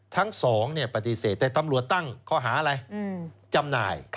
ทั้งสองปฏิเสธแต่ตำรวจตั้งเขาหาอะไรจำหน่าย